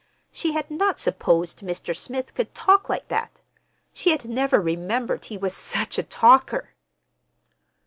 She had not supposed Mr. Smith could talk like that. She had never remembered he was such a talker!